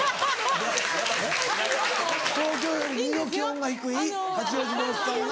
東京より２℃気温が低い八王子のおっさんが？